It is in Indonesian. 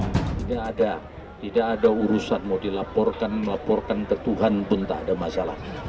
tidak ada tidak ada urusan mau dilaporkan melaporkan ke tuhan pun tak ada masalah